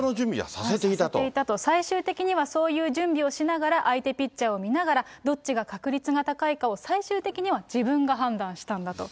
させていたと、最終的にはそういう準備をしながら、相手ピッチャーを見ながら、どっちが確率が高いかを、最終的には自分が判断したんだと。